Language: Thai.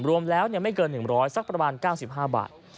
รวมแล้วไม่เกิน๑๐๐สักประมาณ๙๕บาท